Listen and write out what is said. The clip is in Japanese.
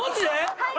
はい。